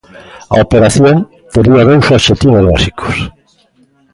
A operación tería dous obxectivos básicos.